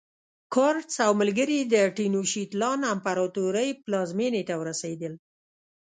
کورټز او ملګري یې د تینوشیت لان امپراتورۍ پلازمېنې ته ورسېدل.